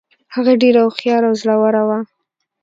هغه ډیره هوښیاره او زړوره وه.